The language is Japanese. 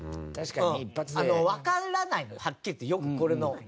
わからないのよはっきり言ってよくこれの。